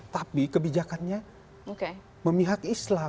tapi kebijakannya memihak islam